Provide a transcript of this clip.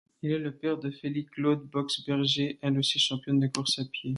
Il est le père d'Ophélie Claude-Boxberger, elle aussi championne de course à pied.